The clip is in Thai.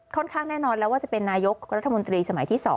ข้างแน่นอนแล้วว่าจะเป็นนายกรัฐมนตรีสมัยที่๒